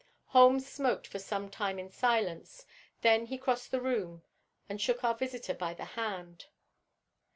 Holmes smoked for some time in silence. Then he crossed the room and shook our visitor by the hand.